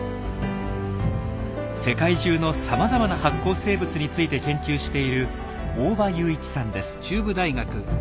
世界中のさまざまな発光生物について研究している大場裕一さんです。